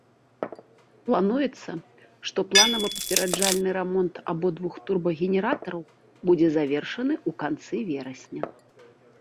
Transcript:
Плануецца, што планава-папераджальны рамонт абодвух турбагенератараў будзе завершаны ў канцы верасня.